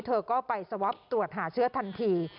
เธอก็ไปสวอปตรวจหาเชื้อทันที